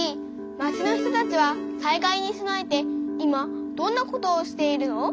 町の人たちは災害に備えて今どんなことをしているの？